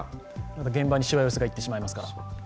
現場にしわ寄せがいってしまいますから。